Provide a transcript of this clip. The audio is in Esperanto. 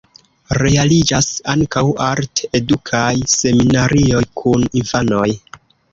Realiĝas ankaŭ art-edukaj seminarioj kun infanoj.